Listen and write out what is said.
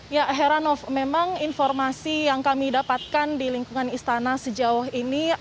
ya heranov memang informasi yang kami dapatkan di lingkungan istana sejauh ini